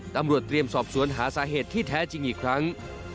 ตำรวจเตรียมสอบสวนหาสาเหตุที่แท้จริงอีกครั้ง